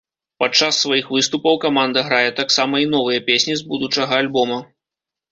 Падчас сваіх выступаў каманда грае таксама і новыя песні з будучага альбома.